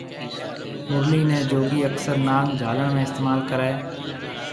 مُرلي ني جوگي اڪثر نانگ جھالڻ ۾ استعمال ڪري